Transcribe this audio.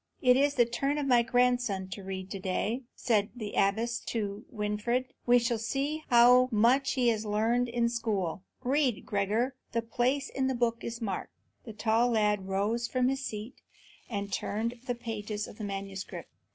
"It is the turn of my grandson to read to day," said the abbess to Winfried; "we shall see how much he has learned in the school. Read, Gregor; the place in the book is marked." The tall lad rose from his seat and turned the pages of the manuscript.